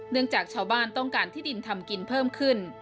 จากชาวบ้านต้องการที่ดินทำกินเพิ่มขึ้น